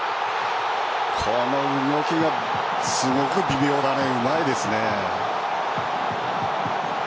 この動きがすごく微妙でうまいですね。